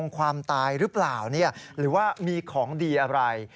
ความตายหรือเปล่าหรือว่ามีของดีอะไร